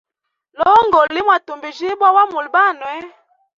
Lungu li mwatumbijibwa wa muli banwe.